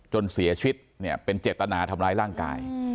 จนเสียชีวิตเนี่ยเป็นเจตนาทำร้ายร่างกาย